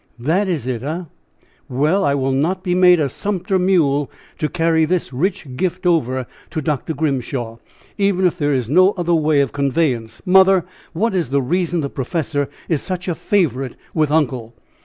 "That is it, hey? Well! I will not be made a sumpter mule to carry this rich gift over to Dr. Grimshaw even if there is no other way of conveyance. Mother! what is the reason the professor is such a favorite with uncle?"